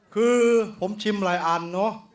คือผมชิมหลายอันเนอะ